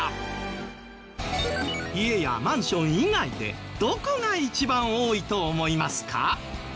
家やマンション以外でどこが一番多いと思いますか？